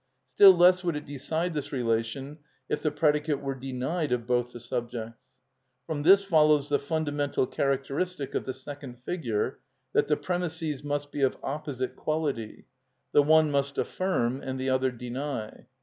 Still less would it decide this relation if the predicate were denied of both the subjects. From this follows the fundamental characteristic of the second figure, that the premisses must be of opposite quality; the one must affirm and the other deny.